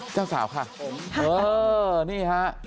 เจ้าสาวค่ะเออนี่ฮะ